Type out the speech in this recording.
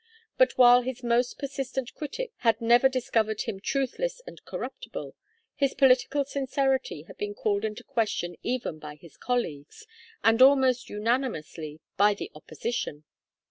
But while his most persistent critics had never discovered him truthless and corruptible, his political sincerity had been called into question even by his colleagues, and almost unanimously by the opposition.